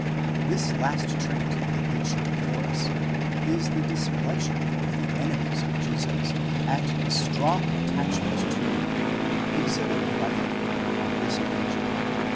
The last trait in the picture before us, is the displeasure of the enemies of Jesus at the strong attachment to him, exhibited by the people on this occasion.